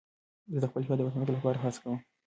زه د خپل هېواد د پرمختګ لپاره هڅه کوم.